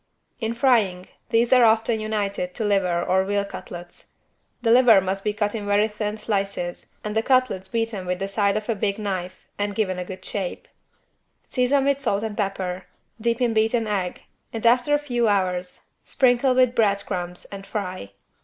In frying these are often united to liver or veal cutlets. The liver must be cut in very thin slices and the cutlets beaten with the side of a big knife and given a good shape. Season with salt and pepper, dip in beaten egg and after a few hours sprinkle with bread crumbs and fry.